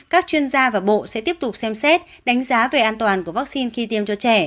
các chuyên gia và bộ sẽ tiếp tục xem xét đánh giá về an toàn của vaccine khi tiêm cho trẻ